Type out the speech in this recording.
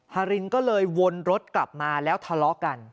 ฮารินก็เลยวนรถกลับมาแล้วทะเลาะกัน